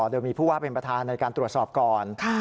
โดยมีผู้ว่าเป็นประธานในการตรวจสอบก่อน